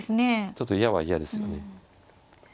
ちょっと嫌は嫌ですよね。